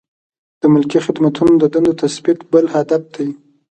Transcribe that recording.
د ملکي خدمتونو د دندو تثبیت بل هدف دی.